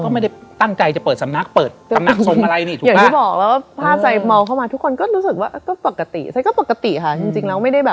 ก่อนหน้าถ่ายก็เป็นนะ